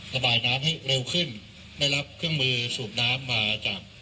ระบายน้ำให้เร็วขึ้นได้รับเครื่องมือสูบน้ำมาจาก